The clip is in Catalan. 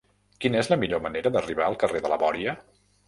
Quina és la millor manera d'arribar al carrer de la Bòria?